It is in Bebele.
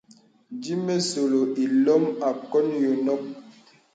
Dīmə̄sɔlɔ ilom àkɔ̀n yònok.